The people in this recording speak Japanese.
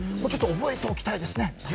ちょっと覚えておきたいですね。